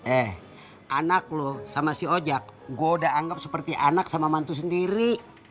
eh anak loh sama si oja gue udah anggap seperti anak sama mantu sendiri